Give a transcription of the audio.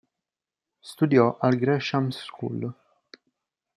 Studiò al Gresham's School.